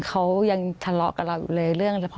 เขายังทะเลาะกับเราอยู่เลยเรื่องเฉพาะ